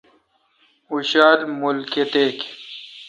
اوں شالہ مول کتیک